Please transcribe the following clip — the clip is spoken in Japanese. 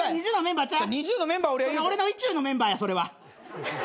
俺の意中のメンバーやそれは。